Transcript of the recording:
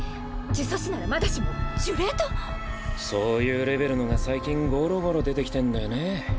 呪詛師ならまだしも呪霊と⁉そういうレベルのが最近ごろごろ出てきてんだよね。